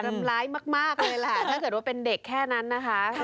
ทำร้ายมากเลยแหละถ้าเกิดว่าเป็นเด็กแค่นั้นนะคะ